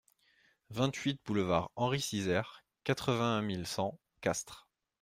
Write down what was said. vingt-huit boulevard Henri Sizaire, quatre-vingt-un mille cent Castres